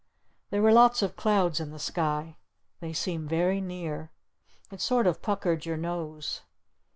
There were lots of clouds in the sky. They seemed very near. It sort of puckered your nose.